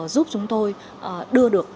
giúp chúng tôi đưa được